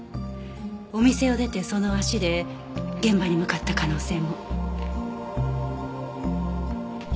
お店を出てその足で現場に向かった可能性も。